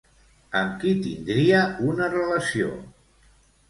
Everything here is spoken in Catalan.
Amb qui tindria una relació?